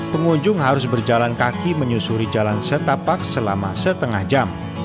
pengunjung harus berjalan kaki menyusuri jalan setapak selama setengah jam